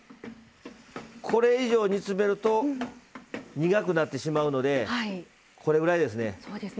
これ以上、煮詰めると苦くなってしまうのでこれぐらいですね。